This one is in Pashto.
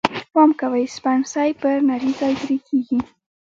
پام کوئ! سپڼسی پر نري ځای پرې کېږي.